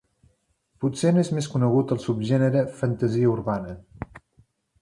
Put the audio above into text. Potser n'és més conegut el subgènere fantasia urbana.